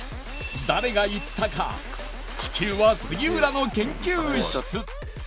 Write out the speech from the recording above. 誰が言ったか地球は杉浦の研究室。